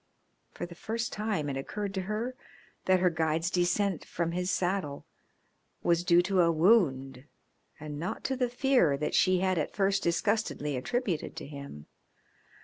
For the first time it occurred to her that her guide's descent from his saddle was due to a wound and not to the fear that she had at first disgustedly attributed to him.